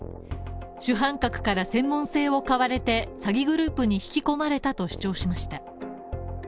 主犯格から専門性を買われて詐欺グループに引き込まれたと主張しました。